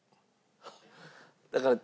「だから」